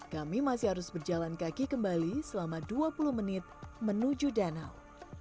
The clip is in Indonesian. kami masih harus berjalan kaki kembali selama dua puluh menit menuju danau